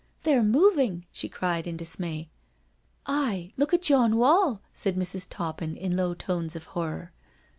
" They're mov ing," she cried in dismay. "Aye, look at yon wadll" said Mrs, Toppin in low tones of horror.